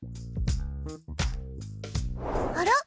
あら？